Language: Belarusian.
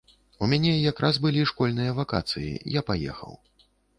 У мяне якраз былі школьныя вакацыі, я паехаў.